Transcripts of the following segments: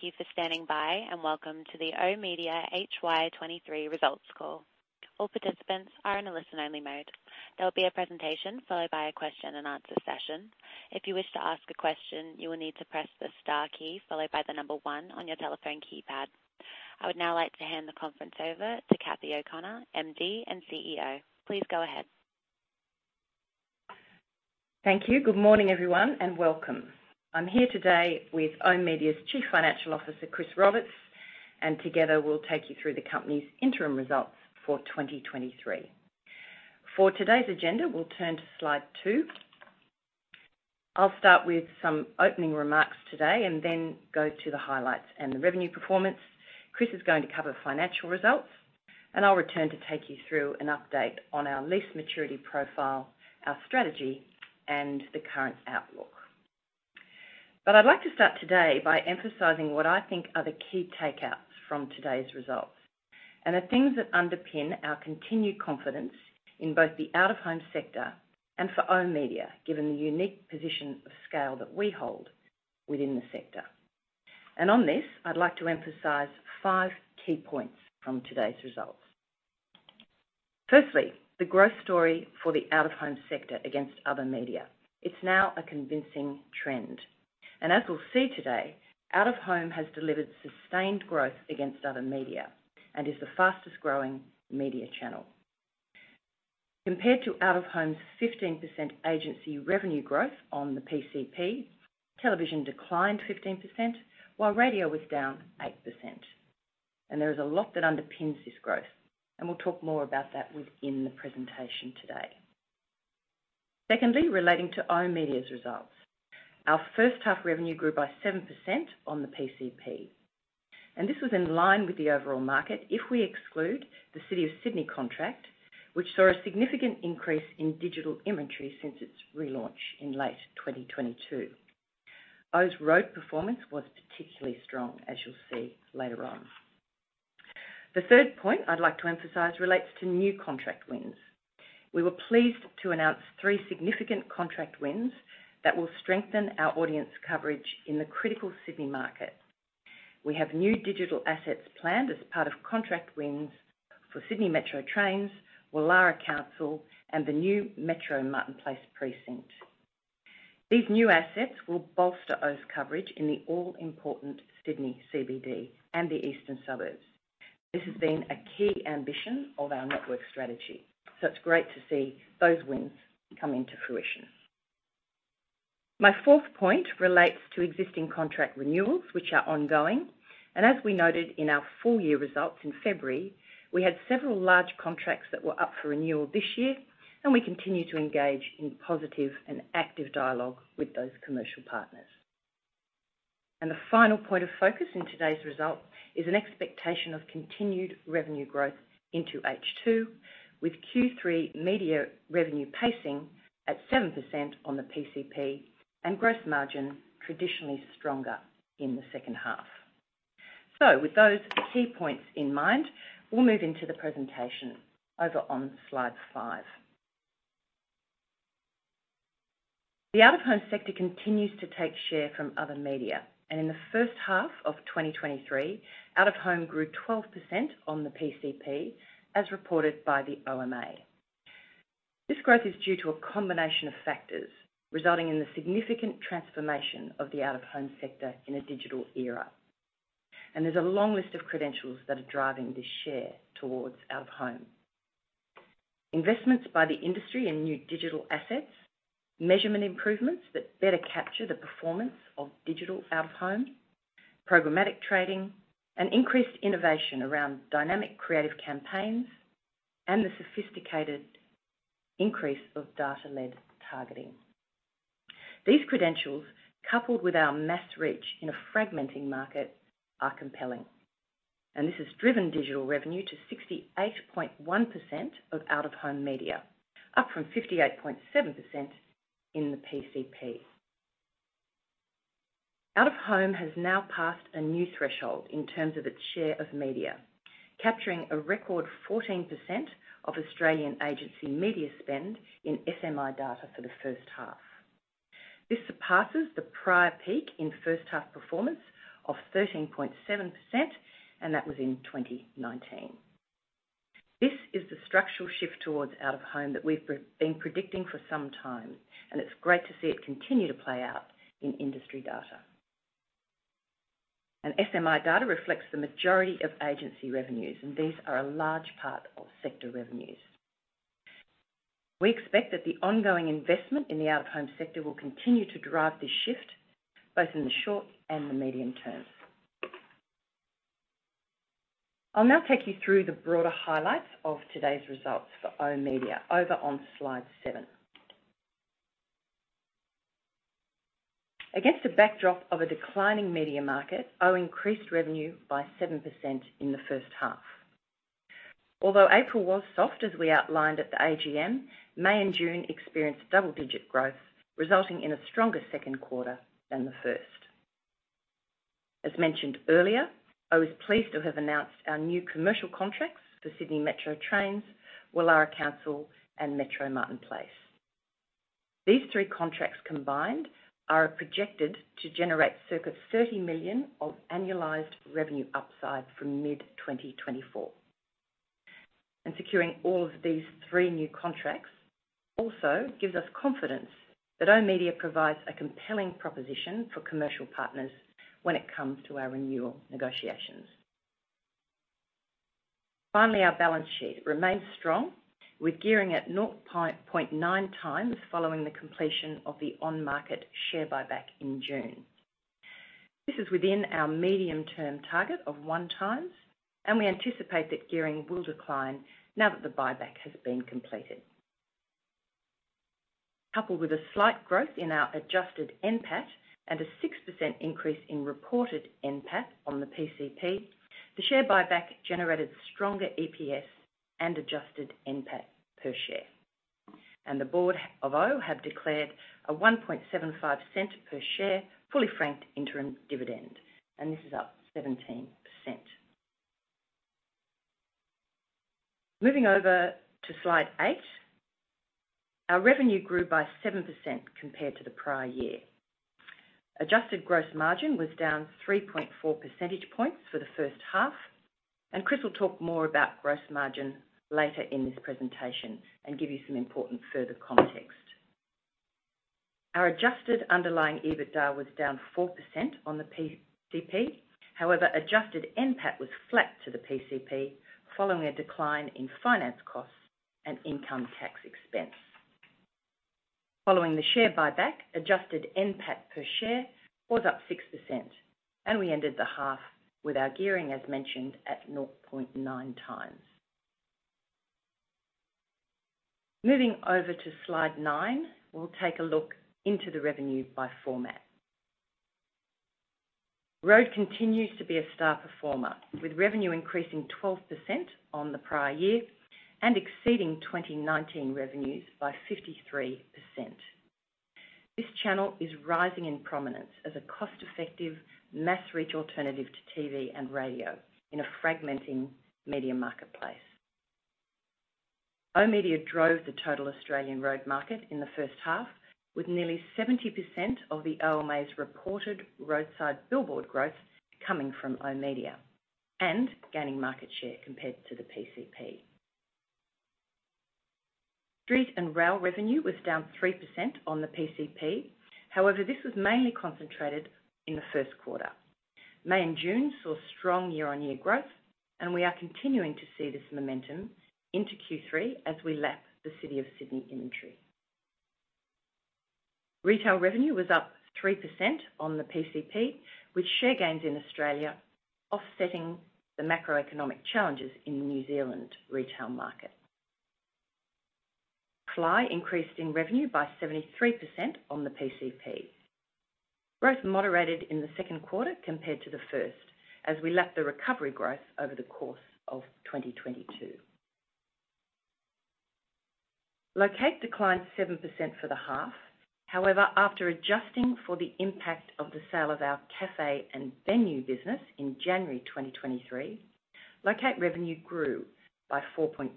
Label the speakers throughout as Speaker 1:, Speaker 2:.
Speaker 1: Thank you for standing by, and welcome to the oOh!media HY 2023 results call. All participants are in a listen-only mode. There will be a presentation, followed by a question and answer session. If you wish to ask a question, you will need to press the star key, followed by one on your telephone keypad. I would now like to hand the conference over to Cathy O'Connor, MD and CEO. Please go ahead.
Speaker 2: Thank you. Good morning, everyone, welcome. I'm here today with oOh!media's Chief Financial Officer, Chris Roberts, together we'll take you through the company's interim results for 2023. For today's agenda, we'll turn to slide two. I'll start with some opening remarks today then go to the highlights and the revenue performance. Chris is going to cover financial results, I'll return to take you through an update on our lease maturity profile, our strategy, and the current outlook. I'd like to start today by emphasizing what I think are the key takeouts from today's results, the things that underpin our continued confidence in both the out-of-home sector and for oOh!media, given the unique position of scale that we hold within the sector. On this, I'd like to emphasize five key points from today's results. Firstly, the growth story for the Out of Home sector against other media. It's now a convincing trend, and as we'll see today, Out of Home has delivered sustained growth against other media and is the fastest-growing media channel. Compared to Out of Home's 15% agency revenue growth on the PCP, television declined 15%, while radio was down 8%. There is a lot that underpins this growth, and we'll talk more about that within the presentation today. Secondly, relating to oOh!media's results. Our first half revenue grew by 7% on the PCP, and this was in line with the overall market if we exclude the City of Sydney contract, which saw a significant increase in digital inventory since its relaunch in late 2022. OOH's road performance was particularly strong, as you'll see later on. The third point I'd like to emphasize relates to new contract wins. We were pleased to announce three significant contract wins that will strengthen our audience coverage in the critical Sydney market. We have new digital assets planned as part of contract wins for Sydney Metro Trains, Woollahra Council, and the new Metro Martin Place precinct. These new assets will bolster OOH's coverage in the all-important Sydney CBD and the eastern suburbs. This has been a key ambition of our network strategy, so it's great to see those wins coming to fruition. My fourth point relates to existing contract renewals, which are ongoing. As we noted in our full-year results in February, we had several large contracts that were up for renewal this year, and we continue to engage in positive and active dialogue with those commercial partners. The final point of focus in today's result is an expectation of continued revenue growth into H2, with Q3 media revenue pacing at 7% on the PCP and gross margin traditionally stronger in the second half. With those key points in mind, we'll move into the presentation over on slide five. The out-of-home sector continues to take share from other media, and in the first half of 2023, out-of-home grew 12% on the PCP, as reported by the OMA. This growth is due to a combination of factors, resulting in the significant transformation of the out-of-home sector in a digital era. There's a long list of credentials that are driving this share towards out-of-home. Investments by the industry in new digital assets, measurement improvements that better capture the performance of digital out-of-home, programmatic trading, and increased innovation around dynamic creative campaigns, and the sophisticated increase of data-led targeting. These credentials, coupled with our mass reach in a fragmenting market, are compelling, this has driven digital revenue to 68.1% of out-of-home media, up from 58.7% in the PCP. Out-of-home has now passed a new threshold in terms of its share of media, capturing a record 14% of Australian agency media spend in SMI data for the first half. This surpasses the prior peak in first half performance of 13.7%, that was in 2019. This is the structural shift towards out-of-home that we've been predicting for some time, it's great to see it continue to play out in industry data. SMI data reflects the majority of agency revenues, and these are a large part of sector revenues. We expect that the ongoing investment in the out-of-home sector will continue to drive this shift, both in the short and the medium term. I'll now take you through the broader highlights of today's results for oOh!media over on slide seven. Against a backdrop of a declining media market, OOH increased revenue by 7% in the first half. Although April was soft, as we outlined at the AGM, May and June experienced double-digit growth, resulting in a stronger second quarter than the first. As mentioned earlier, I was pleased to have announced our new commercial contracts for Sydney Metro, Woollahra Council, and Metro Martin Place. These three contracts combined are projected to generate circa 30 million of annualized revenue upside from mid-2024. Securing all of these three new contracts also gives us confidence that oOh!media provides a compelling proposition for commercial partners when it comes to our renewal negotiations. Finally, our balance sheet remains strong, with gearing at 0.9x following the completion of the on-market share buyback in June. This is within our medium-term target of 1x, and we anticipate that gearing will decline now that the buyback has been completed. Coupled with a slight growth in our adjusted NPAT and a 6% increase in reported NPAT on the PCP, the share buyback generated stronger EPS and adjusted NPAT per share. The board of oOh! have declared an 0.0175 per share, fully franked interim dividend, and this is up 17%. Moving over to slide eight, our revenue grew by 7% compared to the prior year. Adjusted gross margin was down 3.4 percentage points for the first half. Chris will talk more about gross margin later in this presentation and give you some important further context. Our adjusted underlying EBITDA was down 4% on the PCP. However, adjusted NPAT was flat to the PCP, following a decline in finance costs and income tax expense. Following the share buyback, adjusted NPAT per share was up 6%, and we ended the half with our gearing, as mentioned, at 0.9x. Moving over to slide nine, we'll take a look into the revenue by format. Road continues to be a star performer, with revenue increasing 12% on the prior year and exceeding 2019 revenues by 53%. This channel is rising in prominence as a cost-effective, mass-reach alternative to TV and radio in a fragmenting media marketplace. oOh!media drove the total Australian road market in the first half, with nearly 70% of the OMA's reported roadside billboard growth coming from oOh!media, and gaining market share compared to the PCP. Street and rail revenue was down 3% on the PCP. This was mainly concentrated in the first quarter. May and June saw strong year-on-year growth, and we are continuing to see this momentum into Q3 as we lap the City of Sydney inventory. Retail revenue was up 3% on the PCP, with share gains in Australia offsetting the macroeconomic challenges in the New Zealand retail market. Fly increased in revenue by 73% on the PCP. Growth moderated in the second quarter compared to the first, as we lapped the recovery growth over the course of 2022. Locate declined 7% for the half. However, after adjusting for the impact of the sale of our cafe and venue business in January 2023, locate revenue grew by 4.2%.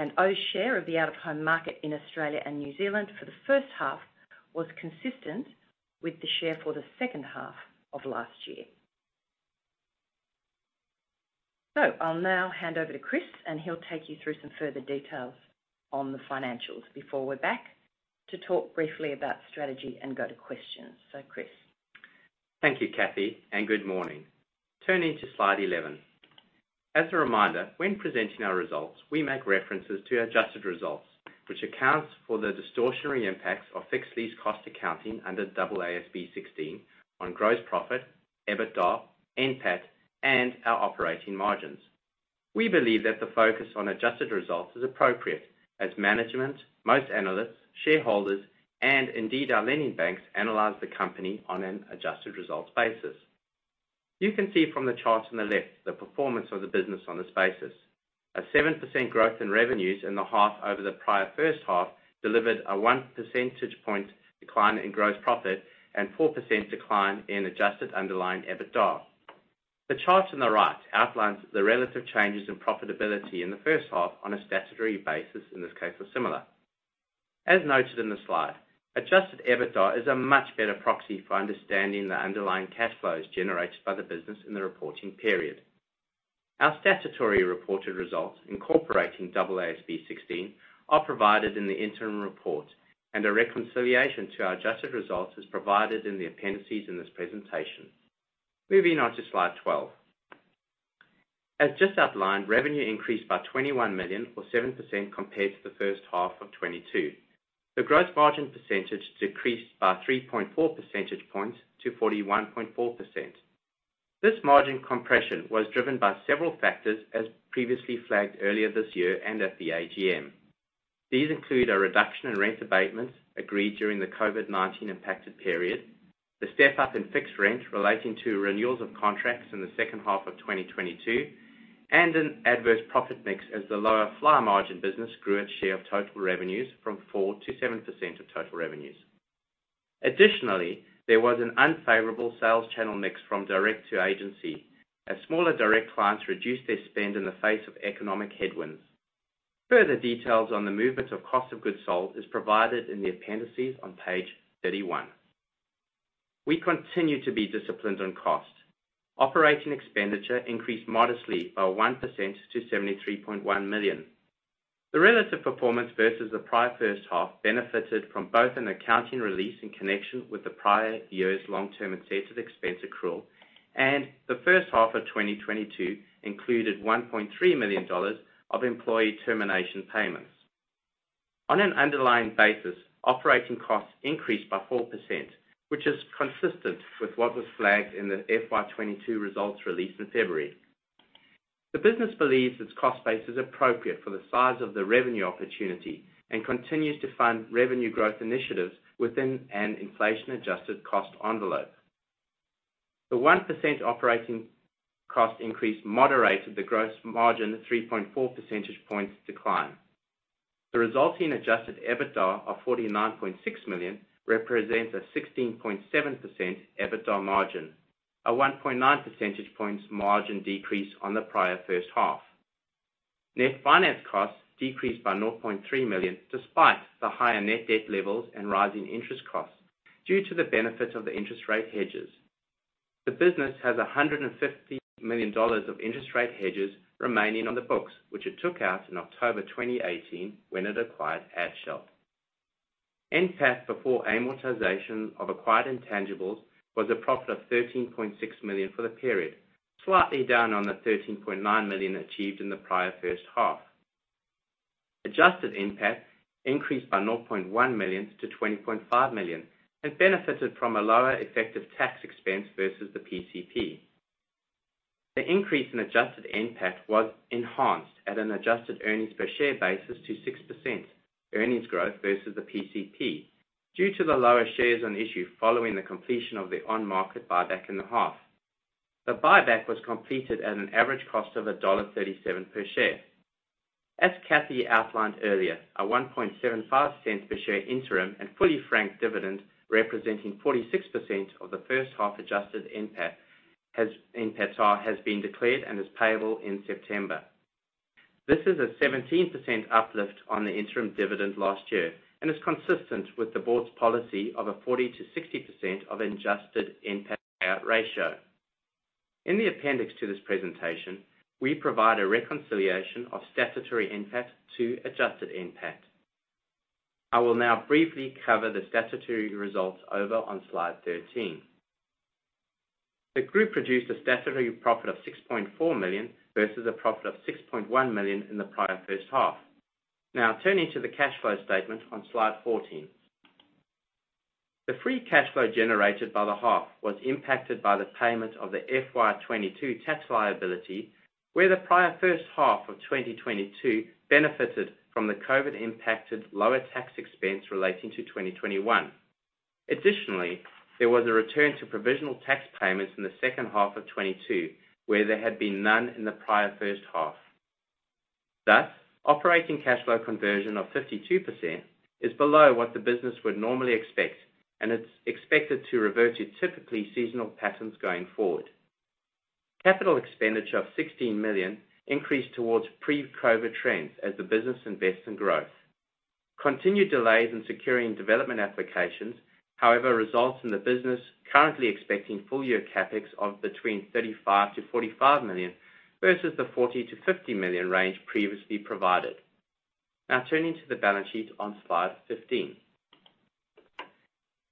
Speaker 2: oOh!media's share of the Out of Home market in Australia and New Zealand for the first half was consistent with the share for the second half of last year. I'll now hand over to Chris, and he'll take you through some further details on the financials before we're back to talk briefly about strategy and go to questions. Chris?
Speaker 3: Thank you, Cathy, and good morning. Turning to slide 11. As a reminder, when presenting our results, we make references to adjusted results, which accounts for the distortionary impacts of fixed lease cost accounting under AASB 16 on gross profit, EBITDA, NPAT, and our operating margins. We believe that the focus on adjusted results is appropriate as management, most analysts, shareholders, and indeed, our lending banks, analyze the company on an adjusted results basis. You can see from the chart on the left the performance of the business on this basis. A 7% growth in revenues in the half over the prior first half delivered a one percentage point decline in gross profit and 4% decline in adjusted underlying EBITDA. The chart on the right outlines the relative changes in profitability in the first half on a statutory basis, in this case, are similar. As noted in the slide, adjusted EBITDA is a much better proxy for understanding the underlying cash flows generated by the business in the reporting period. Our statutory reported results, incorporating AASB 16, are provided in the interim report, a reconciliation to our adjusted results is provided in the appendices in this presentation. Moving on to slide 12. As just outlined, revenue increased by 21 million or 7% compared to the first half of 2022. The gross margin percentage decreased by 3.4 percentage points to 41.4%. This margin compression was driven by several factors as previously flagged earlier this year and at the AGM. These include a reduction in rent abatements agreed during the COVID-19 impacted period, the step-up in fixed rent relating to renewals of contracts in the second half of 2022, and an adverse profit mix as the lower fly margin business grew its share of total revenues from 4%-7% of total revenues. Additionally, there was an unfavorable sales channel mix from direct to agency, as smaller direct clients reduced their spend in the face of economic headwinds. Further details on the movement of cost of goods sold is provided in the appendices on page 31. We continue to be disciplined on cost. Operating expenditure increased modestly by 1% to 73.1 million. The relative performance versus the prior first half benefited from both an accounting release in connection with the prior year's long-term incentive expense accrual, and the first half of 2022 included 1.3 million dollars of employee termination payments. On an underlying basis, operating costs increased by 4%, which is consistent with what was flagged in the FY 2022 results release in February. The business believes its cost base is appropriate for the size of the revenue opportunity, and continues to fund revenue growth initiatives within an inflation-adjusted cost envelope. The 1% operating cost increase moderated the gross margin 3.4 percentage points decline. The resulting adjusted EBITDA of 49.6 million represents a 16.7% EBITDA margin, a 1.9 percentage points margin decrease on the prior first half. Net finance costs decreased by 0.3 million, despite the higher net debt levels and rising interest costs, due to the benefits of the interest rate hedges. The business has 150 million dollars of interest rate hedges remaining on the books, which it took out in October 2018 when it acquired Adshel. NPAT, before amortization of acquired intangibles, was a profit of 13.6 million for the period, slightly down on the 13.9 million achieved in the prior first half. Adjusted NPAT increased by 0.1 million to 20.5 million, and benefited from a lower effective tax expense versus the PCP. The increase in adjusted NPAT was enhanced at an adjusted earnings per share basis to 6% earnings growth versus the PCP, due to the lower shares on issue following the completion of the on-market buyback in the half. The buyback was completed at an average cost of dollar 1.37 per share. As Cathy outlined earlier, our 0.0175 per share interim and fully franked dividend, representing 46% of the first half-adjusted NPAT, has been declared and is payable in September. This is a 17% uplift on the interim dividend last year, and is consistent with the board's policy of a 40%-60% of adjusted NPAT payout ratio. In the appendix to this presentation, we provide a reconciliation of statutory NPAT to adjusted NPAT. I will now briefly cover the statutory results over on slide 13. The group produced a statutory profit of 6.4 million, versus a profit of 6.1 million in the prior first half. Turning to the cash flow statement on slide 14. The free cash flow generated by the half was impacted by the payment of the FY 2022 tax liability, where the prior first half of 2022 benefited from the COVID-impacted lower tax expense relating to 2021. There was a return to provisional tax payments in the second half of 2022, where there had been none in the prior first half. Operating cash flow conversion of 52% is below what the business would normally expect, and it's expected to revert to typically seasonal patterns going forward. Capital expenditure of 16 million increased towards pre-COVID trends as the business invests in growth. Continued delays in securing development applications, however, results in the business currently expecting full-year CapEx of between 35 million-45 million, versus the 40 million-50 million range previously provided. Now turning to the balance sheet on slide 15.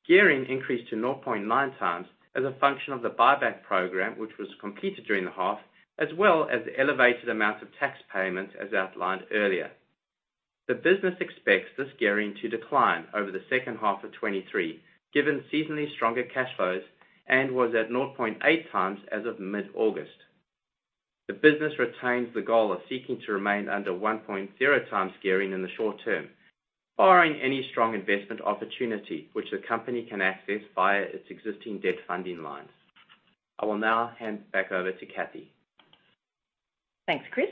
Speaker 3: Gearing increased to 0.9x as a function of the buyback program, which was completed during the half, as well as the elevated amount of tax payments, as outlined earlier. The business expects this gearing to decline over the second half of 2023, given seasonally stronger cash flows, and was at 0.8x as of mid-August. The business retains the goal of seeking to remain under 1.0x gearing in the short term, barring any strong investment opportunity, which the company can access via its existing debt funding lines. I will now hand back over to Cathy.
Speaker 2: Thanks, Chris.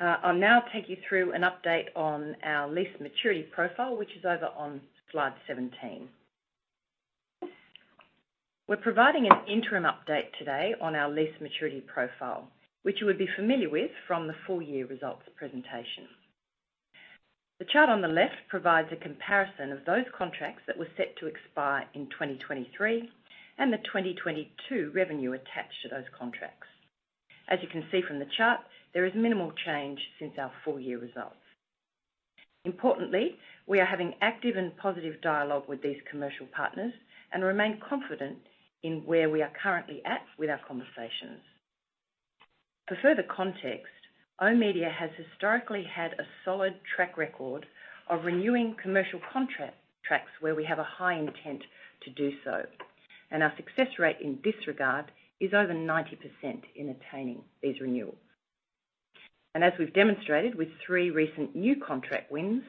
Speaker 2: I'll now take you through an update on our lease maturity profile, which is over on slide 17. We're providing an interim update today on our lease maturity profile, which you would be familiar with from the full-year results presentation. The chart on the left provides a comparison of those contracts that were set to expire in 2023, and the 2022 revenue attached to those contracts. As you can see from the chart, there is minimal change since our full-year results. Importantly, we are having active and positive dialogue with these commercial partners, and remain confident in where we are currently at with our conversations. For further context, oOh!media has historically had a solid track record of renewing commercial contract- tracts where we have a high intent to do so, our success rate in this regard is over 90% in attaining these renewals. As we've demonstrated with 3 recent new contract wins,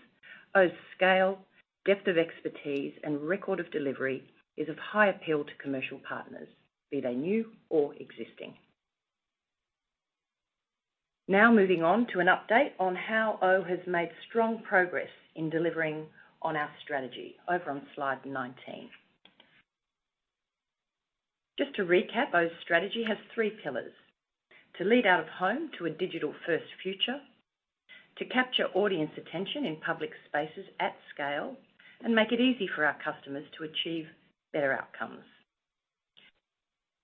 Speaker 2: oOh!'s scale, depth of expertise, and record of delivery is of high appeal to commercial partners, be they new or existing. Now moving on to an update on how OOH has made strong progress in delivering on our strategy. Over on slide 19. Just to recap, OOH's strategy has 3 pillars: to lead out-of-home to a digital-first future, to capture audience attention in public spaces at scale, and make it easy for our customers to achieve better outcomes.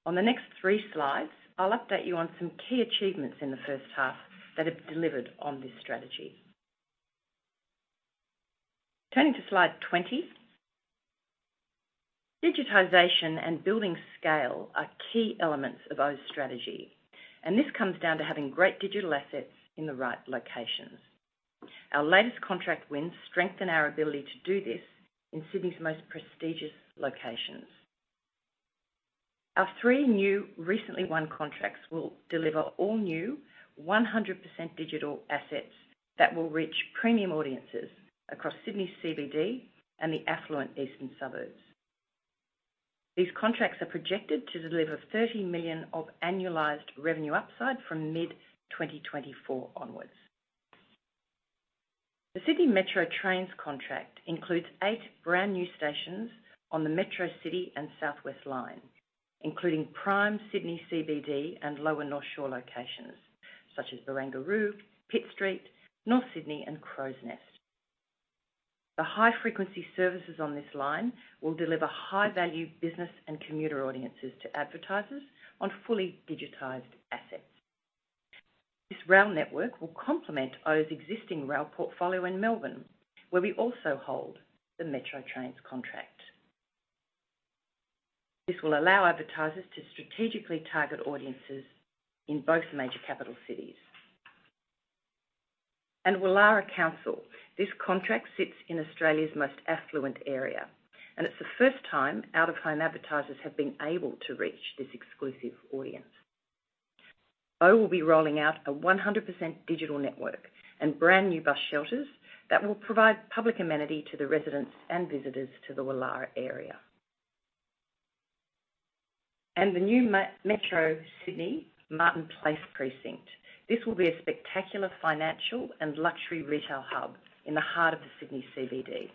Speaker 2: On the next three slides, I'll update you on some key achievements in the first half that have delivered on this strategy. Turning to slide 20, digitization and building scale are key elements of oOh!media's strategy, and this comes down to having great digital assets in the right locations. Our latest contract wins strengthen our ability to do this in Sydney's most prestigious locations. Our three new recently won contracts will deliver all-new 100% digital assets that will reach premium audiences across Sydney's CBD and the affluent eastern suburbs. These contracts are projected to deliver 30 million of annualized revenue upside from mid-2024 onwards. The Sydney Metro Trains contract includes eight brand-new stations on the Sydney Metro City & Southwest line, including prime Sydney CBD and Lower North Shore locations, such as Barangaroo, Pitt Street, North Sydney, and Crows Nest. The high-frequency services on this line will deliver high-value business and commuter audiences to advertisers on fully digitized assets. This rail network will complement OOH's existing rail portfolio in Melbourne, where we also hold the Metro Trains contract. This will allow advertisers to strategically target audiences in both major capital cities. Woollahra Council, this contract sits in Australia's most affluent area, and it's the first time out-of-home advertisers have been able to reach this exclusive audience. OOH will be rolling out a 100% digital network and brand-new bus shelters that will provide public amenity to the residents and visitors to the Woollahra area. The new Sydney Metro, Martin Place precinct. This will be a spectacular financial and luxury retail hub in the heart of the Sydney CBD.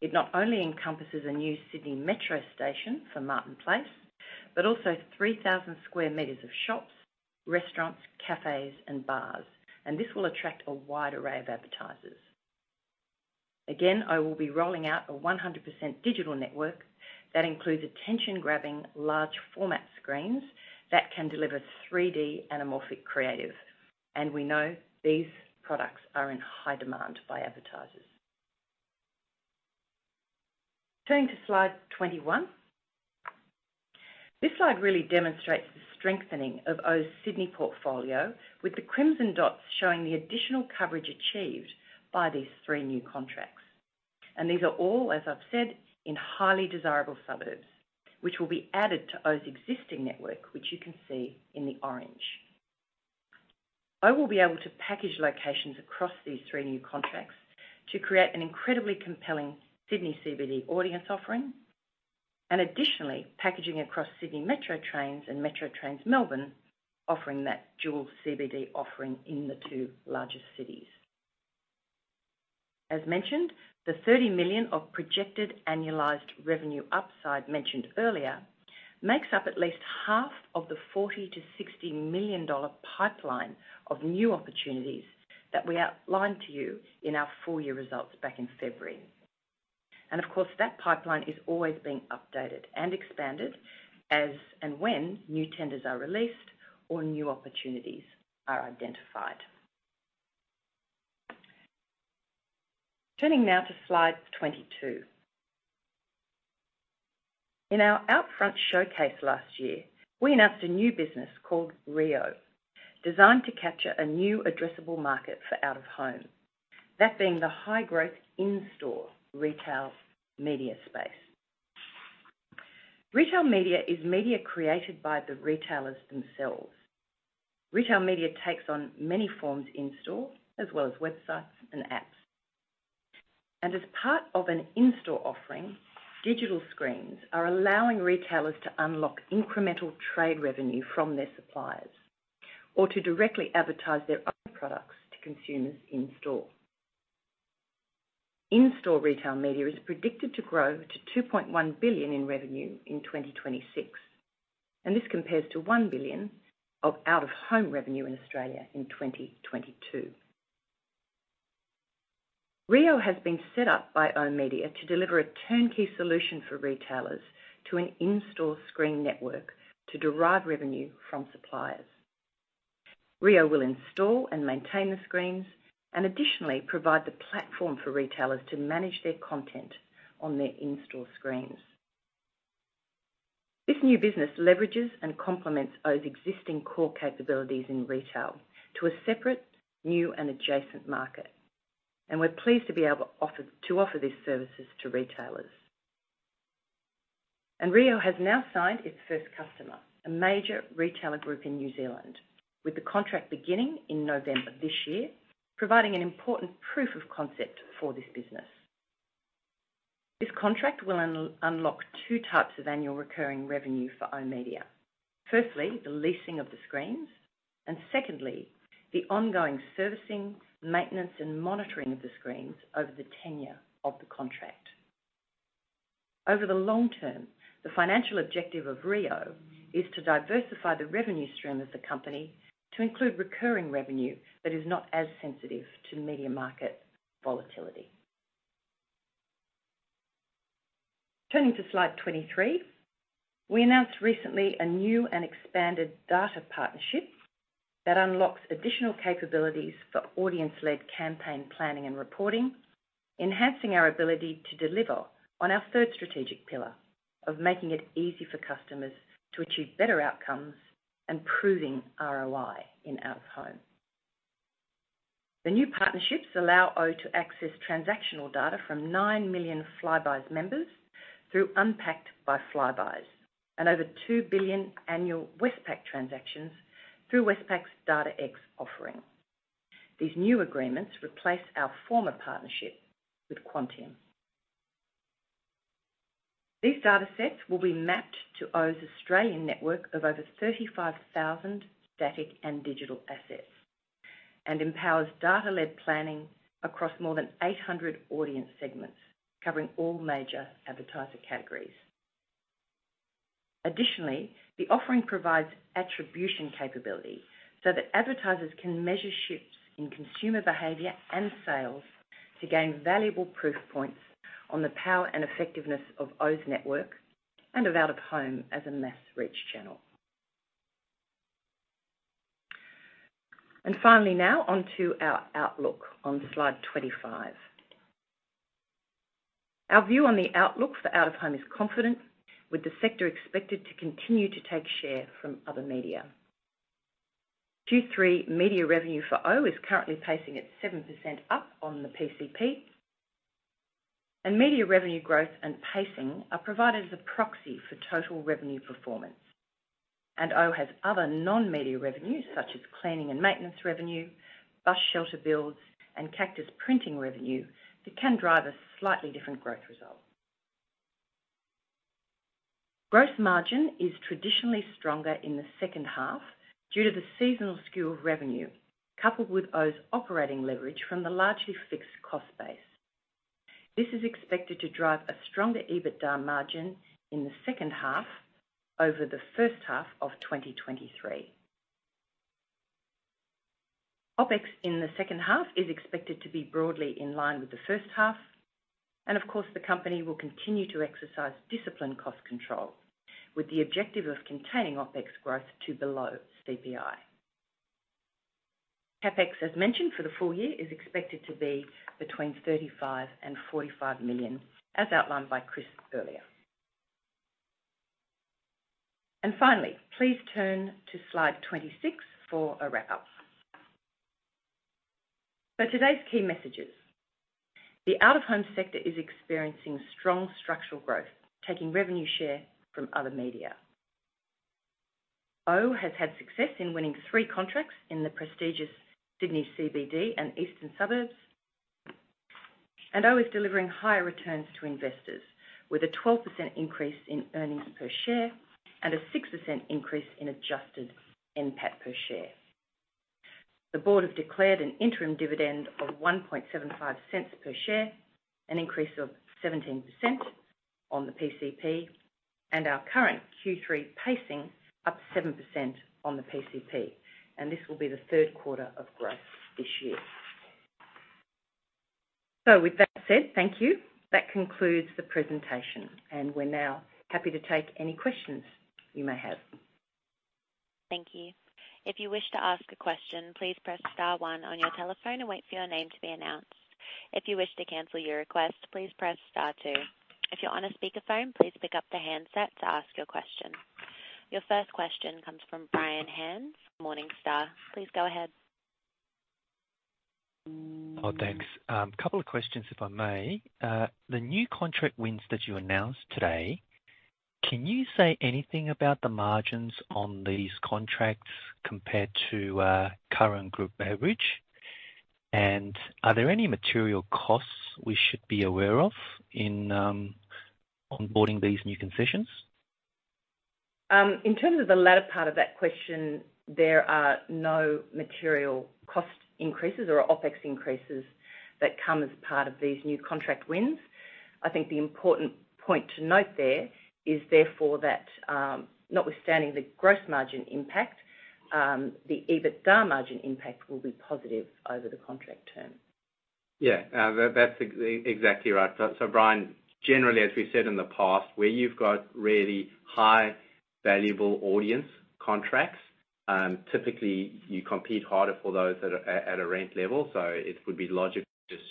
Speaker 2: It not only encompasses a new Sydney Metro station for Martin Place, but also 3,000 sq meters of shops, restaurants, cafes, and bars. This will attract a wide array of advertisers. Again, OOH will be rolling out a 100% digital network that includes attention-grabbing, large format screens that can deliver 3D anamorphic creative, and we know these products are in high demand by advertisers. Turning to slide 21. This slide really demonstrates the strengthening of OOH's Sydney portfolio, with the crimson dots showing the additional coverage achieved by these three new contracts. These are all, as I've said, in highly desirable suburbs, which will be added to OOH's existing network, which you can see in the orange. OOH will be able to package locations across these three new contracts to create an incredibly compelling Sydney CBD audience offering, additionally, packaging across Sydney Metro Trains and Metro Trains Melbourne, offering that dual CBD offering in the two largest cities. As mentioned, the 30 million of projected annualized revenue upside mentioned earlier makes up at least half of the 40 million-60 million dollar pipeline of new opportunities that we outlined to you in our full-year results back in February. Of course, that pipeline is always being updated and expanded as and when new tenders are released or new opportunities are identified. Turning now to slide 22. In our Outfront showcase last year, we announced a new business called reo, designed to capture a new addressable market for out-of-home, that being the high-growth in-store retail media space. Retail media is media created by the retailers themselves. Retail media takes on many forms in store, as well as websites and apps. As part of an in-store offering, digital screens are allowing retailers to unlock incremental trade revenue from their suppliers or to directly advertise their own products to consumers in store. In-store retail media is predicted to grow to 2.1 billion in revenue in 2026. This compares to 1 billion of out-of-home revenue in Australia in 2022. reo has been set up by oOh!media to deliver a turnkey solution for retailers to an in-store screen network to derive revenue from suppliers. reo will install and maintain the screens. Additionally, provide the platform for retailers to manage their content on their in-store screens. This new business leverages and complements OOH's existing core capabilities in retail to a separate, new, and adjacent market. We're pleased to be able to offer these services to retailers. reo has now signed its first customer, a major retailer group in New Zealand, with the contract beginning in November this year, providing an important proof of concept for this business. This contract will unlock two types of annual recurring revenue for oOh!media. Firstly, the leasing of the screens, and secondly, the ongoing servicing, maintenance, and monitoring of the screens over the tenure of the contract. Over the long term, the financial objective of reo is to diversify the revenue stream of the company to include recurring revenue that is not as sensitive to the media market volatility. Turning to slide 23, we announced recently a new and expanded data partnership that unlocks additional capabilities for audience-led campaign planning and reporting, enhancing our ability to deliver on our third strategic pillar of making it easy for customers to achieve better outcomes and proving ROI in out-of-home. The new partnerships allow oOh! to access transactional data from 9 million Flybuys members through Unpacked by Flybuys and over 2 billion annual Westpac transactions through Westpac's DataX offering. These new agreements replace our former partnership with Quantium. These datasets will be mapped to oOh!'s Australian network of over 35,000 static and digital assets, and empowers data-led planning across more than 800 audience segments, covering all major advertiser categories. Additionally, the offering provides attribution capability so that advertisers can measure shifts in consumer behavior and sales to gain valuable proof points on the power and effectiveness of oOh!'s network and of out-of-home as a mass reach channel. Finally, now onto our outlook on slide 25. Our view on the outlook for out-of-home is confident, with the sector expected to continue to take share from other media. Q3 media revenue for oOh! is currently pacing at 7% up on the PCP. Media revenue growth and pacing are provided as a proxy for total revenue performance. Ooh! has other non-media revenues, such as cleaning and maintenance revenue, bus shelter builds, and Cactus printing revenue, that can drive a slightly different growth result. Gross margin is traditionally stronger in the second half due to the seasonal skew of revenue, coupled with oOh!'s operating leverage from the largely fixed cost base. This is expected to drive a stronger EBITDA margin in the second half over the first half of 2023. OpEx in the second half is expected to be broadly in line with the first half. Of course, the company will continue to exercise disciplined cost control, with the objective of containing OpEx growth to below CPI. CapEx, as mentioned, for the full-year, is expected to be between 35 million and 45 million, as outlined by Chris earlier. Finally, please turn to slide 26 for a wrap-up. Today's key messages: The out-of-home sector is experiencing strong structural growth, taking revenue share from other media. oOh! has had success in winning three contracts in the prestigious Sydney CBD and eastern suburbs. oOh! is delivering higher returns to investors, with a 12% increase in earnings per share and a 6% increase in adjusted NPAT per share. The board have declared an interim dividend of 0.0175 per share, an increase of 17% on the PCP. Our current Q3 pacing up 7% on the PCP. This will be the third quarter of growth this year. With that said, thank you. That concludes the presentation. We're now happy to take any questions you may have.
Speaker 1: Thank you. If you wish to ask a question, please press star one on your telephone and wait for your name to be announced. If you wish to cancel your request, please press star two. If you're on a speakerphone, please pick up the handset to ask your question. Your first question comes from Brian Han, Morningstar. Please go ahead.
Speaker 4: Oh, thanks. couple of questions, if I may. The new contract wins that you announced today, can you say anything about the margins on these contracts compared to current group average? Are there any material costs we should be aware of in onboarding these new concessions?
Speaker 2: In terms of the latter part of that question, there are no material cost increases or OpEx increases that come as part of these new contract wins. I think the important point to note there is, therefore, that, notwithstanding the gross margin impact, the EBITDA margin impact will be positive over the contract term.
Speaker 3: Yeah, exactly right. Brian Han, generally, as we said in the past, where you've got really high valuable audience contracts, typically you compete harder for those at a, at a rent level. It would be logically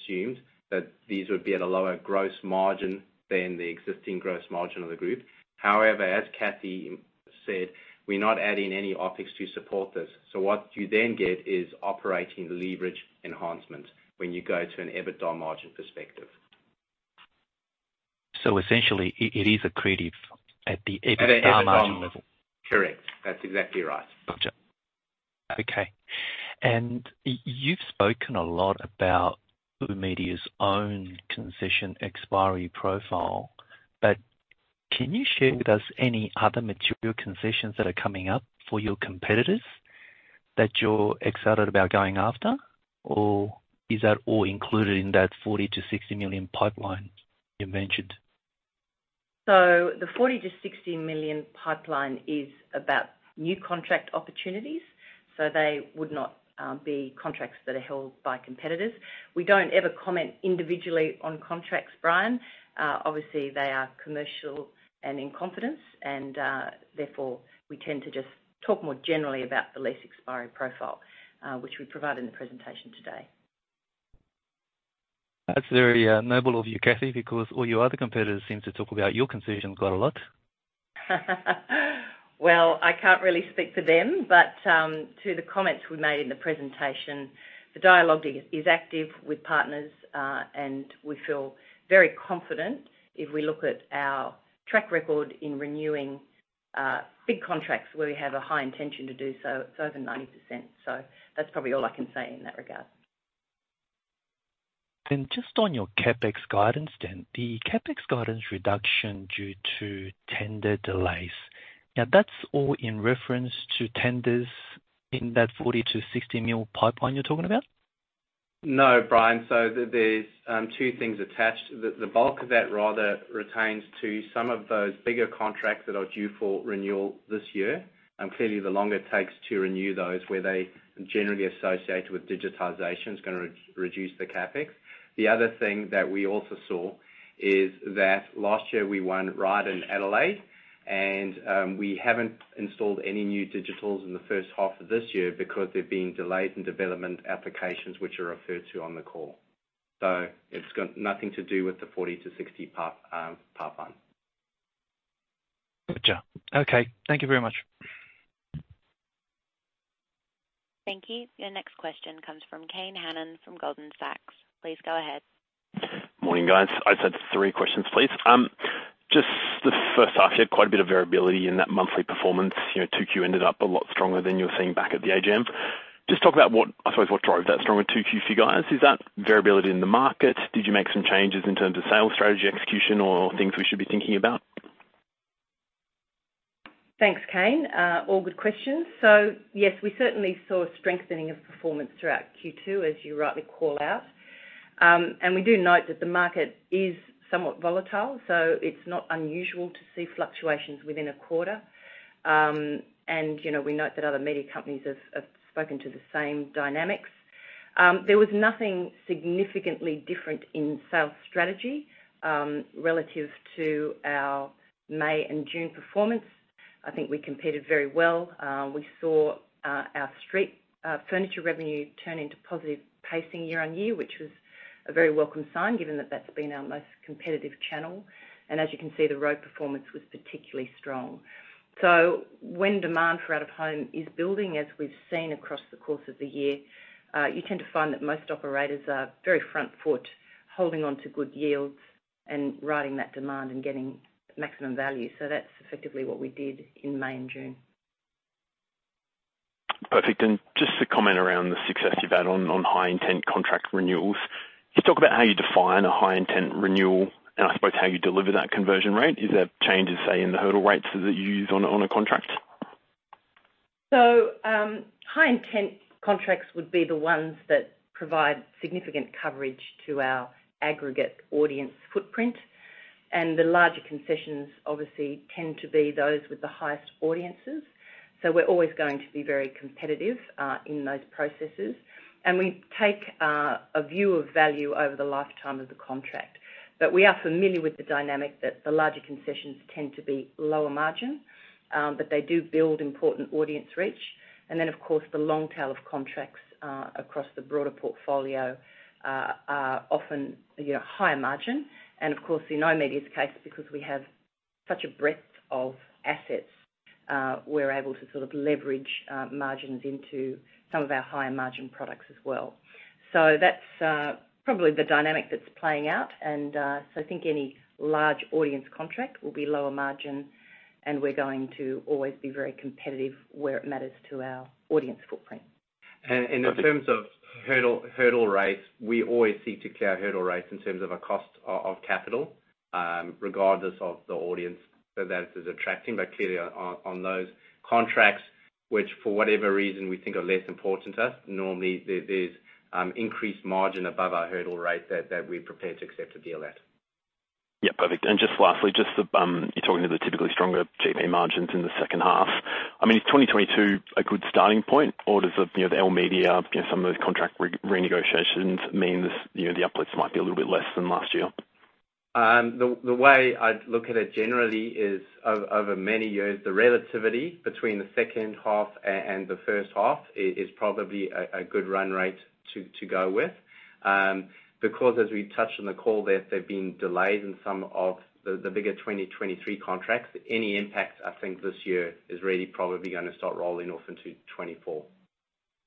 Speaker 3: assumed that these would be at a lower gross margin than the existing gross margin of the group. However, as Cathy said, we're not adding any OpEx to support this. What you then get is operating leverage enhancement when you go to an EBITDA margin perspective.
Speaker 4: Essentially, it, it is accretive at the EBITDA margin level?
Speaker 3: At an EBITDA margin. Correct. That's exactly right.
Speaker 4: Gotcha, Okay, you've spoken a lot about oOh!media's own concession expiry profile, but can you share with us any other material concessions that are coming up for your competitors, that you're excited about going after? Or is that all included in that 40 million-60 million pipeline you mentioned?
Speaker 2: The 40 million to 60 million pipeline is about new contract opportunities, they would not be contracts that are held by competitors. We don't ever comment individually on contracts, Brian. Obviously, they are commercial and in confidence, and therefore, we tend to just talk more generally about the lease expiry profile, which we provided in the presentation today.
Speaker 4: That's very noble of you, Cathy, because all your other competitors seem to talk about your concessions quite a lot.
Speaker 2: Well, I can't really speak for them, but to the comments we made in the presentation, the dialogue is, is active with partners, and we feel very confident if we look at our track record in renewing big contracts where we have a high intention to do so, it's over 90%. That's probably all I can say in that regard.
Speaker 4: Just on your CapEx guidance then, the CapEx guidance reduction due to tender delays, now, that's all in reference to tenders in that 40 million-60 million pipeline you're talking about?
Speaker 3: No, Brian Han. There's two things attached. The, the bulk of that rather retains to some of those bigger contracts that are due for renewal this year. Clearly, the longer it takes to renew those, where they generally associated with digitization, is gonna reduce the CapEx. The other thing that we also saw is that last year we won Ryde and Adelaide, and we haven't installed any new digitals in the first half of this year because they're being delayed in development applications, which are referred to on the call. It's got nothing to do with the 40-60 pipeline.
Speaker 4: Gotcha. Okay, thank you very much.
Speaker 1: Thank you. Your next question comes from Kane Hannan, from Goldman Sachs. Please go ahead.
Speaker 5: Morning, guys. I just had three questions, please. Just the first half-year, quite a bit of variability in that monthly performance. You know, 2Q ended up a lot stronger than you were seeing back at the AGM. Just talk about what, I suppose, what drove that stronger 2Q for you guys. Is that variability in the market? Did you make some changes in terms of sales strategy, execution, or things we should be thinking about?
Speaker 2: Thanks, Kane. All good questions. Yes, we certainly saw a strengthening of performance throughout Q2, as you rightly call out. We do note that the market is somewhat volatile, so it's not unusual to see fluctuations within a quarter. You know, we note that other media companies have spoken to the same dynamics. There was nothing significantly different in sales strategy relative to our May and June performance. I think we competed very well. We saw our street furniture revenue turn into positive pacing year-over-year, which was a very welcome sign, given that that's been our most competitive channel. As you can see, the road performance was particularly strong. When demand for out-of-home is building, as we've seen across the course of the year, you tend to find that most operators are very front foot, holding on to good yields and riding that demand and getting maximum value. That's effectively what we did in May and June.
Speaker 5: Perfect. Just to comment around the success you've had on, on high-intent contract renewals, can you talk about how you define a high-intent renewal, and I suppose, how you deliver that conversion rate? Is there changes, say, in the hurdle rates that you use on a, on a contract?
Speaker 2: High-intent contracts would be the ones that provide significant coverage to our aggregate audience footprint, and the larger concessions obviously tend to be those with the highest audiences. We're always going to be very competitive, in those processes. We take, a view of value over the lifetime of the contract. We are familiar with the dynamic that the larger concessions tend to be lower margin, but they do build important audience reach. Then, of course, the long tail of contracts, across the broader portfolio, are often, you know, higher margin. Of course, in oOh!media's case, because we have such a breadth of assets, we're able to sort of leverage, margins into some of our higher-margin products as well. That's, probably the dynamic that's playing out. I think any large audience contract will be lower margin, and we're going to always be very competitive where it matters to our audience footprint.
Speaker 3: In terms of hurdle, hurdle rates, we always seek to clear our hurdle rates in terms of our cost of capital, regardless of the audience that is attracting. Clearly, on those contracts, which for whatever reason we think are less important to us, normally there's increased margin above our hurdle rate that we're prepared to accept a deal at.
Speaker 5: Yeah, perfect. Just lastly, just the, you're talking to the typically stronger GP margins in the second half. I mean, is 2022 a good starting point, or does the, you know, the oOh!media, you know, some of those contract re- renegotiations mean this, you know, the uploads might be a little bit less than last year?
Speaker 3: The way I'd look at it generally is over many years, the relativity between the second half and the first half is probably a good run rate to go with. Because as we touched on the call there, there have been delays in some of the bigger 2023 contracts. Any impact, I think this year, is really probably going to start rolling off into 2024.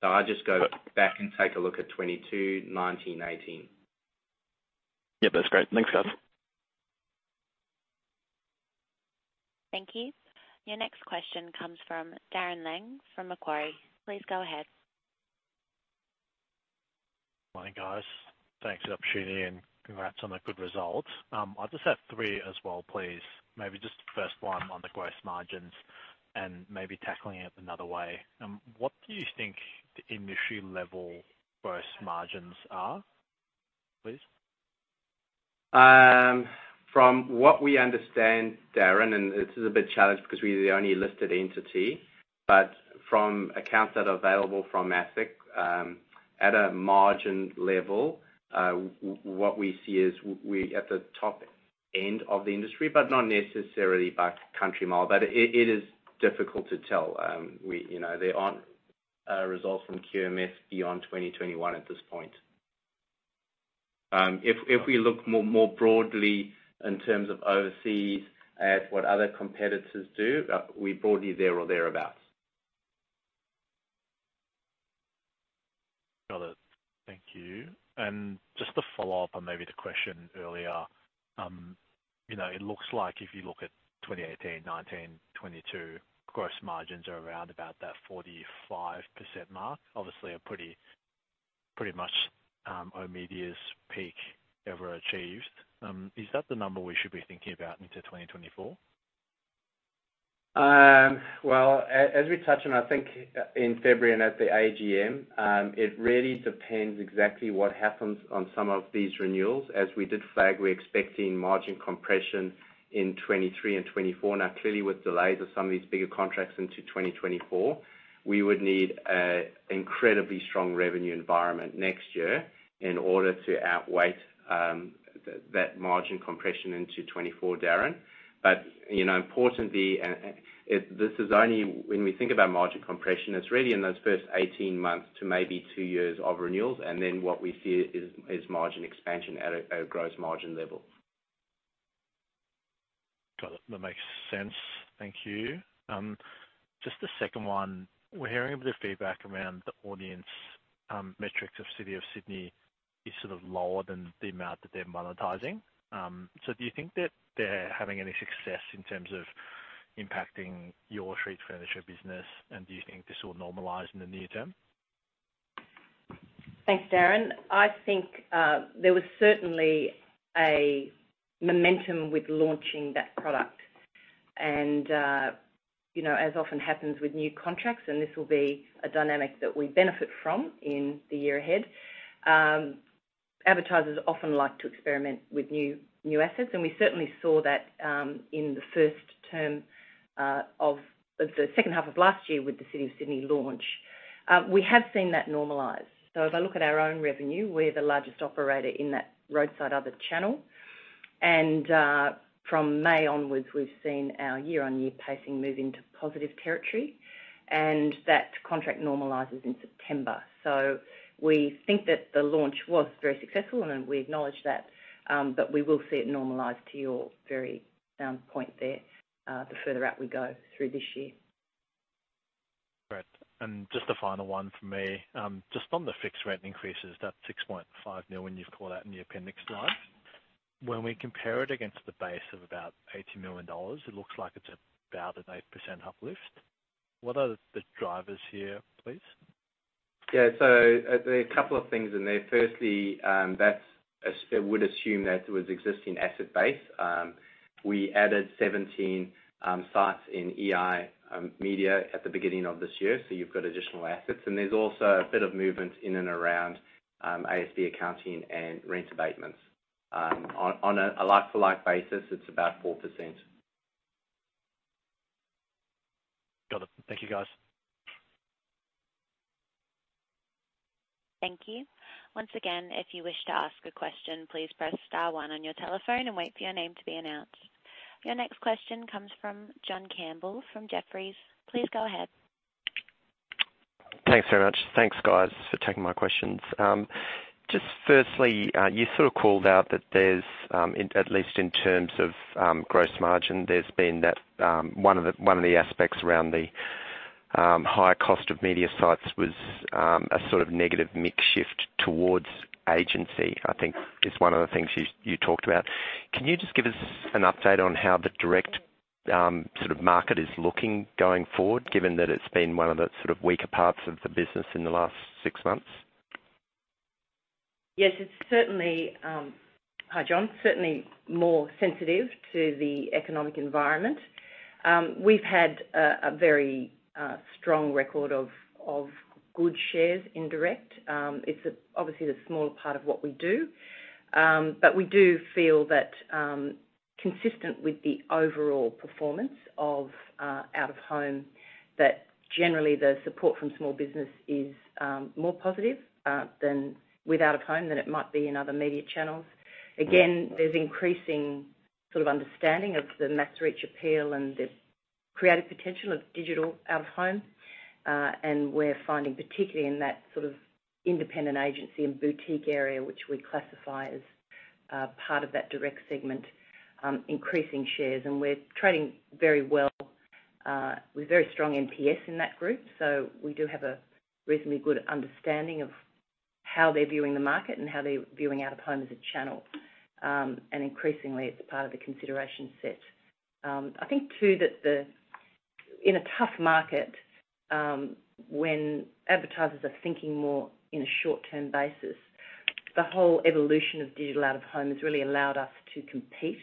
Speaker 3: So I'll just go back and take a look at 2022, 2019, 2018.
Speaker 5: Yeah, that's great. Thanks, guys.
Speaker 1: Thank you. Your next question comes from Darren Leung from Macquarie. Please go ahead.
Speaker 6: Morning, guys. Thanks for the opportunity, and congrats on the good results. I just have 3 as well, please. Maybe just the first one on the gross margins and maybe tackling it another way. What do you think the industry-level gross margins are, please?
Speaker 3: From what we understand, Darren Leung, and this is a bit challenged because we're the only listed entity, but from accounts that are available from ASIC, at a margin level, what we see is we at the top end of the industry, but not necessarily by country mile. It, it is difficult to tell. We, you know, there aren't results from QMS beyond 2021 at this point. If, if we look more, more broadly in terms of overseas at what other competitors do, we're broadly there or thereabout.
Speaker 6: Got it. Thank you. Just to follow up on maybe the question earlier, you know, it looks like if you look at 2018, 2019, 2022, gross margins are around about that 45% mark. Obviously, a pretty, pretty much, immediate peak ever achieved. Is that the number we should be thinking about into 2024?
Speaker 3: Well, as we touched on, I think, in February and at the AGM, it really depends exactly what happens on some of these renewals. As we did flag, we're expecting margin compression in 2023 and 2024. Now, clearly, with delays of some of these bigger contracts into 2024, we would need a incredibly strong revenue environment next year in order to outweigh that margin compression into 2024, Darren. You know, importantly, this is only when we think about margin compression, it's really in those first 18 months to maybe two years of renewals, and then what we see is, is margin expansion at a, at a gross margin level.
Speaker 6: Got it. That makes sense. Thank you. Just the second one. We're hearing a bit of feedback around the audience, metrics of City of Sydney is sort of lower than the amount that they're monetizing. Do you think that they're having any success in terms of impacting your street furniture business, and do you think this will normalize in the near term?
Speaker 2: Thanks, Darren. I think, there was certainly a momentum with launching that product, and, you know, as often happens with new contracts, and this will be a dynamic that we benefit from in the year ahead, advertisers often like to experiment with new, new assets, and we certainly saw that in the first term of the second half of last year with the City of Sydney launch. We have seen that normalize. If I look at our own revenue, we're the largest operator in that roadside other channel. From May onwards, we've seen our year-on-year pacing move into positive territory, and that contract normalizes in September. We think that the launch was very successful, and we acknowledge that, but we will see it normalize to your very point there, the further out we go through this year.
Speaker 6: Great. Just a final one from me. Just on the fixed rent increases, that 6.5 million, when you call out in the appendix slide, when we compare it against the base of about 80 million dollars, it looks like it's about an 8% uplift. What are the drivers here, please?
Speaker 3: Yeah. There are a couple of things in there. Firstly, that's, as I would assume that was existing asset base. We added 17 sites in EiMedia at the beginning of this year, so you've got additional assets, and there's also a bit of movement in and around ASB accounting and rent abatements. On a like-for-like basis, it's about 4%.
Speaker 6: Got it. Thank you, guys.
Speaker 1: Thank you. Once again, if you wish to ask a question, please press star one on your telephone and wait for your name to be announced. Your next question comes from John Campbell, from Jefferies. Please go ahead.
Speaker 7: Thanks very much. Thanks, guys, for taking my questions. Just firstly, you sort of called out that there's, at least in terms of, gross margin, there's been that, one of the, one of the aspects around the, higher cost of media sites was, a sort of negative mix shift towards agency, I think is one of the things you, you talked about. Can you just give us an update on how the direct, sort of market is looking going forward, given that it's been one of the sort of weaker parts of the business in the last six months?
Speaker 2: Yes, it's certainly... Hi, John. Certainly more sensitive to the economic environment. We've had a, a very strong record of, of good shares in direct. It's obviously the smaller part of what we do. But we do feel that, consistent with the overall performance of out-of-home, that generally the support from small business is more positive than with out-of-home than it might be in other media channels. Again, there's increasing sort of understanding of the mass reach appeal and the creative potential of digital out-of-home. And we're finding, particularly in that sort of independent agency and boutique area, which we classify as part of that direct segment, increasing shares, and we're trading very well, we've very strong NPS in that group, so we do have a reasonably good understanding of how they're viewing the market and how they're viewing out-of-home as a channel. Increasingly, it's part of the consideration set. I think, too, that in a tough market, when advertisers are thinking more in a short-term basis, the whole evolution of digital out-of-home has really allowed us to compete,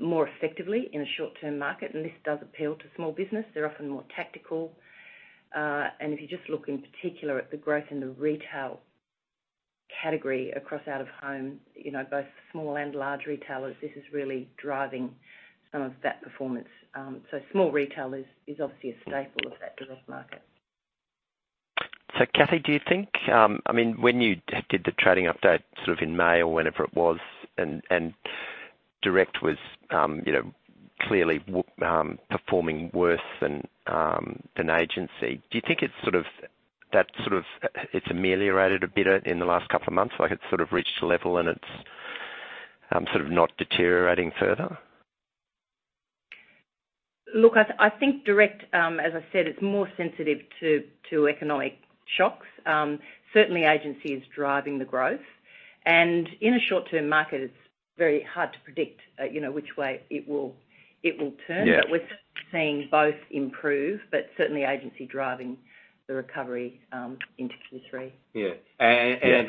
Speaker 2: more effectively in a short-term market, and this does appeal to small business. They're often more tactical. If you just look in particular at the growth in the retail category across out-of-home, you know, both small and large retailers, this is really driving some of that performance. Small retail is, is obviously a staple of that direct market.
Speaker 7: Cathy, do you think, I mean, when you did the trading update sort of in May or whenever it was, and, and direct was, you know, clearly performing worse than an agency, do you think it's sort of, that sort of, it's ameliorated a bit in the last couple of months? Like, it's sort of reached a level, and it's, sort of not deteriorating further?
Speaker 2: Look, I, I think direct, as I said, it's more sensitive to, to economic shocks. Certainly agency is driving the growth, and in a short-term market, it's very hard to predict, you know, which way it will, it will turn.
Speaker 7: Yeah.
Speaker 2: We're seeing both improve, but certainly agency driving the recovery, into Q3.
Speaker 3: Yeah.
Speaker 7: Yeah.
Speaker 3: It,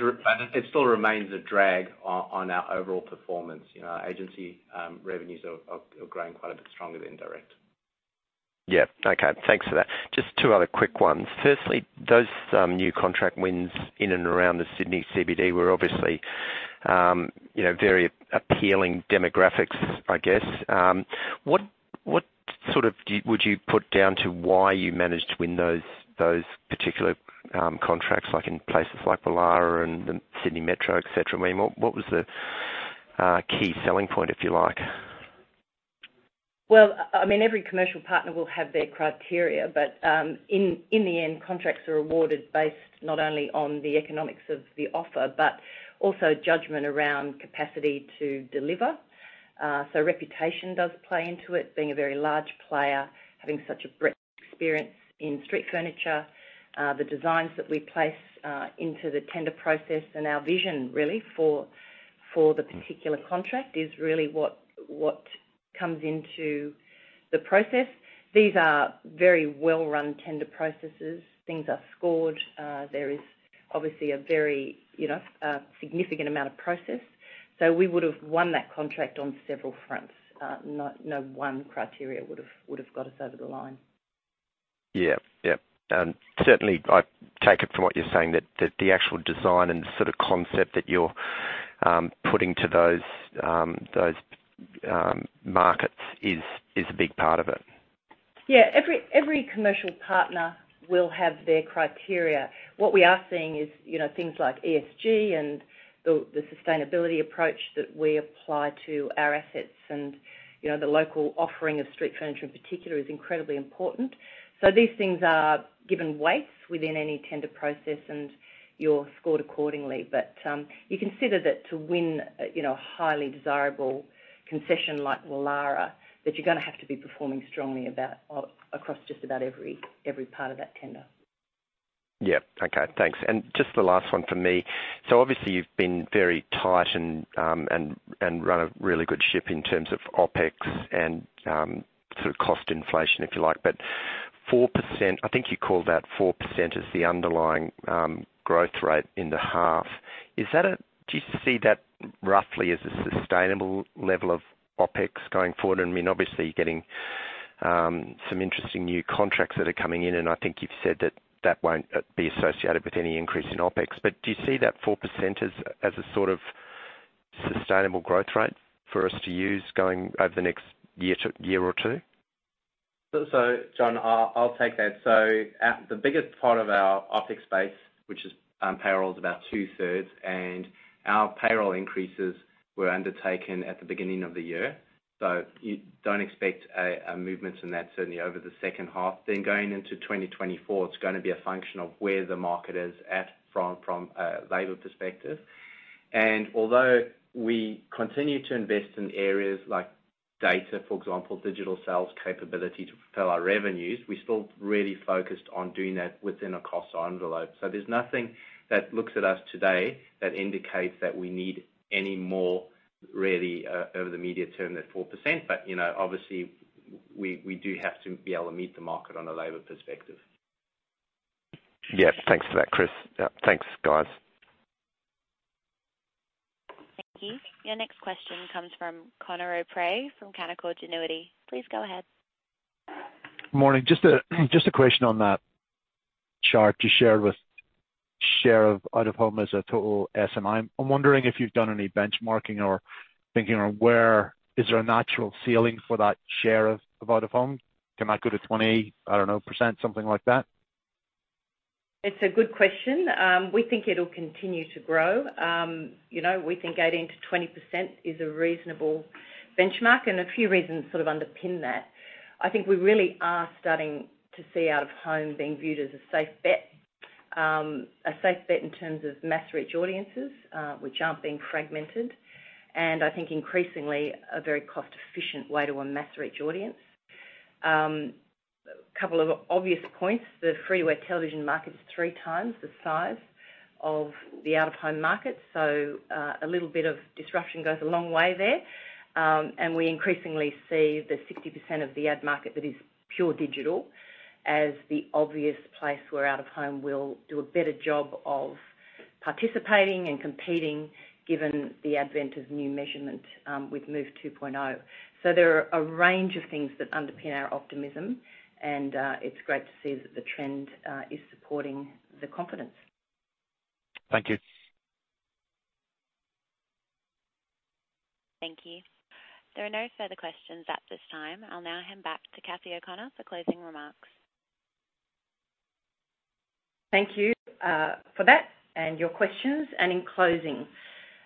Speaker 3: it still remains a drag on our overall performance. You know, our agency revenues are, are, are growing quite a bit stronger than direct.
Speaker 7: Yeah. Okay, thanks for that. Just two other quick ones. Firstly, those new contract wins in and around the Sydney CBD were obviously, you know, very appealing demographics, I guess. What, what sort of would you put down to why you managed to win those, those particular contracts, like in places like Woollahra and the Sydney Metro, et cetera? I mean, what, what was the key selling point, if you like?
Speaker 2: Well, I, I mean, every commercial partner will have their criteria, but in, in the end, contracts are awarded based not only on the economics of the offer but also judgment around capacity to deliver. Reputation does play into it. Being a very large player, having such a breadth experience in street furniture, the designs that we place into the tender process, and our vision really for, for the particular contract is really what, what comes into the process. These are very well-run tender processes. Things are scored. There is obviously a very, you know, significant amount of process. We would have won that contract on several fronts. Not- no one criteria would've, would've got us over the line.
Speaker 7: Yeah. Yep, certainly I take it from what you're saying, that, that the actual design and the sort of concept that you're putting to those, those, markets is, is a big part of it.
Speaker 2: Yeah. Every, every commercial partner will have their criteria. What we are seeing is, you know, things like ESG and the, the sustainability approach that we apply to our assets, and, you know, the local offering of street furniture, in particular, is incredibly important. These things are given weights within any tender process, and you're scored accordingly. You consider that to win, you know, a highly desirable concession like Woollahra, that you're gonna have to be performing strongly about, across just about every, every part of that tender.
Speaker 7: Yeah. Okay, thanks. Just the last one from me: so obviously, you've been very tight and, and, and run a really good ship in terms of OpEx and sort of cost inflation, if you like. 4%, I think you called that 4% as the underlying growth rate in the half. Is that a, Do you see that roughly as a sustainable level of OpEx going forward? I mean, obviously, you're getting some interesting new contracts that are coming in, and I think you've said that that won't be associated with any increase in OpEx. Do you see that 4% as, as a sort of sustainable growth rate for us to use going over the next year to year or two?
Speaker 3: John, I'll, I'll take that. The biggest part of our OpEx base, which is payroll, is about two-thirds, and our payroll increases were undertaken at the beginning of the year, so you don't expect a, a movement in that, certainly over the second half. Going into 2024, it's gonna be a function of where the market is at from, from a labor perspective. Although we continue to invest in areas like data, for example, digital sales capability to fulfill our revenues, we're still really focused on doing that within a cost envelope. There's nothing that looks at us today that indicates that we need any more really over the medium term than 4%, but, you know, obviously, we, we do have to be able to meet the market on a labor perspective.
Speaker 7: Yeah, thanks for that, Chris. Thanks, guys.
Speaker 1: Thank you. Your next question comes from Conor O'Prey, from Canaccord Genuity. Please go ahead.
Speaker 8: Morning. Just a question on that chart you shared with share of Out of Home as a total SMI. I'm wondering if you've done any benchmarking or thinking on where is there a natural ceiling for that share of Out of Home? Can that go to 20%, I don't know, something like that?
Speaker 2: It's a good question. We think it'll continue to grow. You know, we think 18%-20% is a reasonable benchmark, and a few reasons sort of underpin that. I think we really are starting to see Out of Home being viewed as a safe bet, a safe bet in terms of mass-reach audiences, which aren't being fragmented, and I think increasingly, a very cost-efficient way to a mass-reach audience. A couple of obvious points. The freeway television market is 3x the size of the Out of Home market, so a little bit of disruption goes a long way there. We increasingly see the 60% of the ad market that is pure digital as the obvious place where Out of Home will do a better job of participating and competing, given the advent of new measurement, with MOVE 2.0. There are a range of things that underpin our optimism, and, it's great to see that the trend is supporting the confidence.
Speaker 8: Thank you.
Speaker 1: Thank you. There are no further questions at this time. I'll now hand back to Cathy O'Connor for closing remarks.
Speaker 2: Thank you, for that and your questions. In closing,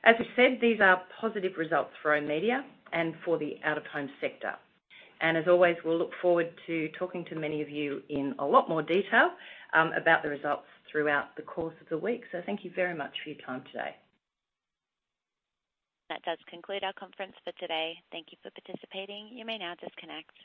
Speaker 2: as we said, these are positive results for oOh!media and for the Out of Home sector. As always, we'll look forward to talking to many of you in a lot more detail, about the results throughout the course of the week. Thank you very much for your time today.
Speaker 1: That does conclude our conference for today. Thank you for participating. You may now disconnect.